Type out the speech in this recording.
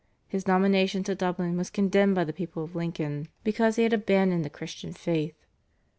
His nomination to Dublin was condemned by the people of Lincoln because he had abandoned the Christian faith.